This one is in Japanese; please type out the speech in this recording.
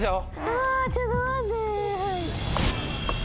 ハァちょっと待って。